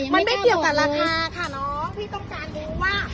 มันไม่เกี่ยวกับราคาค่ะน้องพี่ต้องการดูเพราะว่า